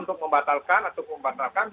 untuk membatalkan atau membatalkan